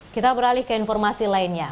kita beralih ke informasi lainnya